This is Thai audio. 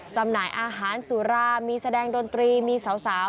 จำหน่ายอาหารสุรามีแสดงดนตรีมีสาว